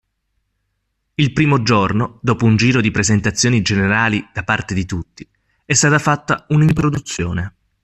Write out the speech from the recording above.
Il primo giorno, dopo un giro di presentazioni generali da parte di tutti, è stata fatta una introduzione.